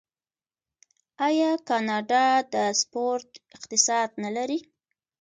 آیا کاناډا د سپورت اقتصاد نلري؟